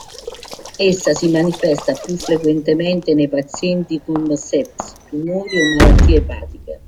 Essa si manifesta più frequentemente nei pazienti con sepsi, tumori o malattie epatiche.